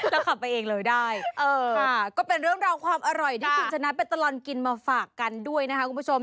แล้วขับไปเองเลยได้เออค่ะก็เป็นเรื่องราวความอร่อยที่คุณชนะไปตลอดกินมาฝากกันด้วยนะคะคุณผู้ชม